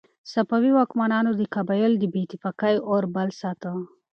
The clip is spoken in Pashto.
صفوي واکمنانو د قبایلو د بې اتفاقۍ اور بل ساته.